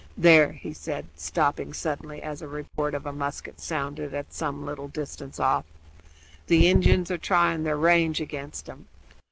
There," he said, stopping suddenly as a report of a musket sounded at some little distance off, "the Injuns are trying their range against 'em.